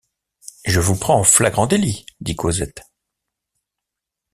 Je vous prends en flagrant délit, dit Cosette.